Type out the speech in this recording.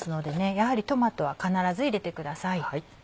やはりトマトは必ず入れてください。